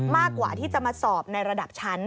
มากกว่าที่จะมาสอบในระดับชั้น